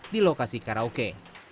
di lokasi karaoke